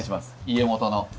家元の。